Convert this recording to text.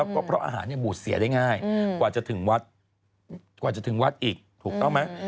ก็เพราะอาหารบุตรเสี่ยได้ง่ายกว่าจะถึงวัดอีกถูกต้องไหม